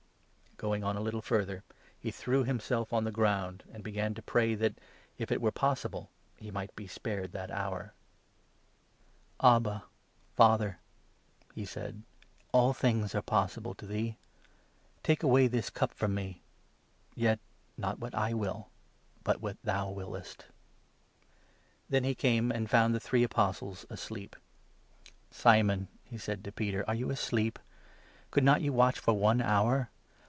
Going on a little further, he threw himself on the ground, and 35 began to pray that, if it were possible, he might be spared that hour. 36 " P» 41. 9. 21 Enoch 38. a. 24 Exod. 34. &» Zech. 13. 7. MARK, 14. 35 "Abba, Father," he said, "all things are possible to thee ; take away this cup from me ; yet, not what I will, but what thou wiliest." Then he came and found the three Apostles asleep. 37 "Simon," he said to Peter, "are you asleep? Could not you watch for one hour